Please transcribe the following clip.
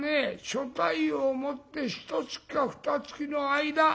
所帯を持ってひとつきかふたつきの間。